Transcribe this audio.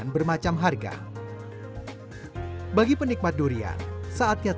sepertinya bukan hal penting untuk dibahas